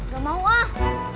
gak mau ah